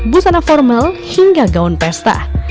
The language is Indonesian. busana formal hingga gaun pesta